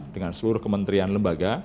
dengan seluruh kementerian lembaga